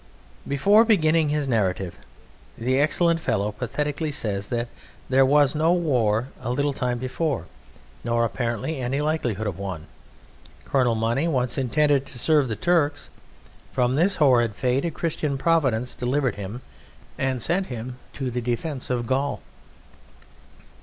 Before beginning his narrative the excellent fellow pathetically says, that as there was no war a little time before, nor apparently any likelihood of one, "Colonel Money once intended to serve the Turks"; from this horrid fate a Christian Providence delivered him, and sent him to the defence of Gaul.